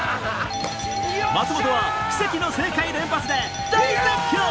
松本は奇跡の正解連発で大絶叫！